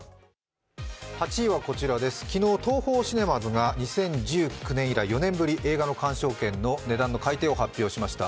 ８位はこちらです、昨日、ＴＯＨＯシネマズが２０１９年以来、４年ぶり、映画の鑑賞券の値段の値上げを発表しました。